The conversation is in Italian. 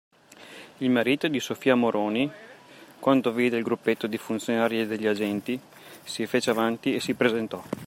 Il marito di Sofia Moroni, quando vide il gruppetto dei funzionari e degli agenti, si fece avanti e si presentò.